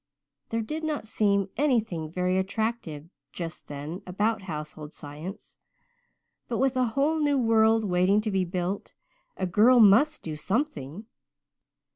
There did not seem anything very attractive just then about Household Science, but, with a whole new world waiting to be built, a girl must do something.